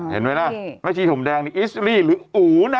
เห็นไหมล่ะแม่ชีห่มแดงนี่อิสรีหรืออู๋นะ